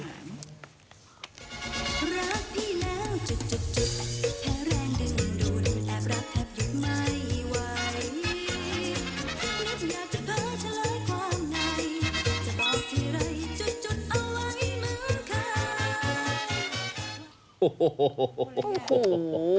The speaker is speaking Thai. โอ้โฮ